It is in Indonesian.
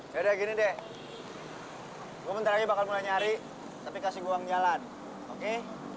yaudah gini deh gue nanti lagi bakal mulai nyari tapi kasih gua uang jalan oke